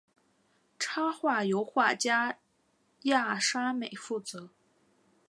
插画由画家亚沙美负责。